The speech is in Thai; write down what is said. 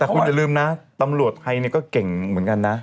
แต่คุณอย่าลืมนะตำรวจไทยก็เก่งเหมือนกันนะ